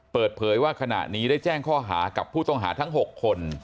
เปิดเผยว่าขณะนี้ได้แจ้งข้อหากับผู้ต้องหาทั้ง๖คน